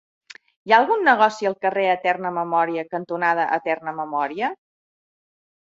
Hi ha algun negoci al carrer Eterna Memòria cantonada Eterna Memòria?